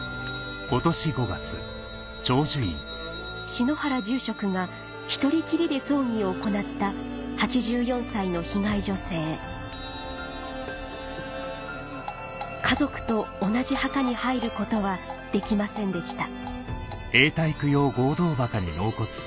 篠原住職が１人きりで葬儀を行った８４歳の被害女性家族と同じ墓に入ることはできませんでした